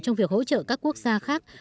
trong việc hỗ trợ các quốc gia khác